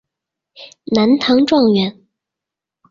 南唐状元。